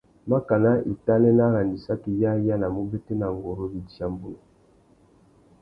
Makana itānê nà arandissaki yâā i yānamú ubétēna nguru râ idiya mbunu.